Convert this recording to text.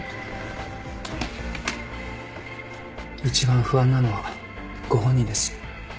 一番不安なのはご本人です。